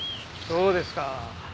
そうですか。